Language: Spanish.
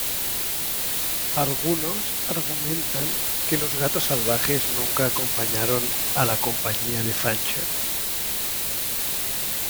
Algunos argumentan que los Gatos Salvajes nunca acompañaron a la Compañía de Fancher.